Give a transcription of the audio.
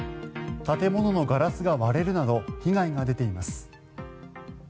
建物のガラスが割れるなど被害が出ています。